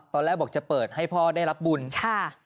ตอนแรกบอกจะเปิดให้พ่อได้รับบุญค่ะ